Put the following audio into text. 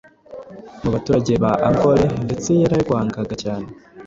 mu baturage ba Ankole ndetse yararwangaga cyane,